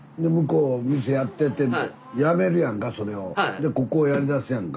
でここをやりだすやんか。